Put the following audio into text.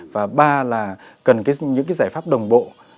và ba là cần những cái giải pháp đồng bộ